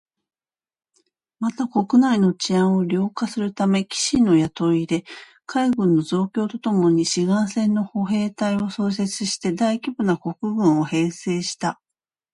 また、国内の治安を良化するため、騎士の雇い入れ、海軍の増強とともに志願制の歩兵隊を創設して大規模な国軍を編成した